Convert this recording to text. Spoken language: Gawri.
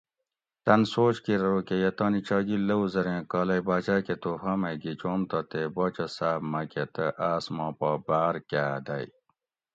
تن سوچ کِیر ارو کہ یہ تانی چاگیل لوؤ زریں کالئی باچاۤ کہ تحفاۤ مئی گِھیچوم تہ تے باچا صاب مکہ تہ آۤس ماں پا باۤر کاۤ دۤگ